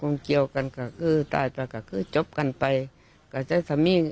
นี่แหละครับแม่ครับ